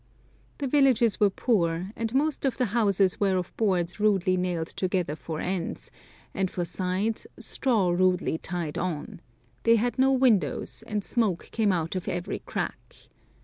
The villages were poor, and most of the houses were of boards rudely nailed together for ends, and for sides straw rudely tied on; they had no windows, and smoke came out of every crack.